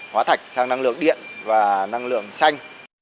hóa thạch sang năng lượng điện và năng lượng xanh